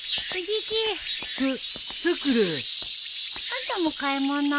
あんたも買い物？